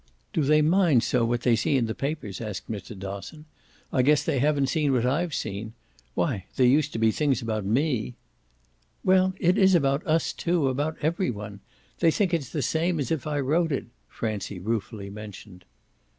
"Do they mind so what they see in the papers?" asked Mr. Dosson. "I guess they haven't seen what I've seen. Why there used to be things about ME " "Well, it IS about us too about every one. They think it's the same as if I wrote it," Francie ruefully mentioned.